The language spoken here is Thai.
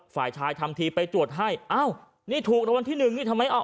ฝ่ายชายทำทีไปตรวจให้เอ้านี่ถูกระวันที่๑นี่ทำไมเอา